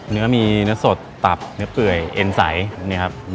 เนื้อมีเนื้อสดตับเนื้อเปื่อยเอ็นใสเนี่ยครับ